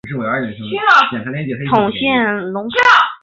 县治庞卡。